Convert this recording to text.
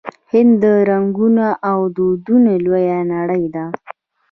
هند د رنګونو او دودونو لویه نړۍ ده.